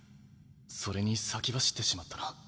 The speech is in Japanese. それに先走ってしまったな。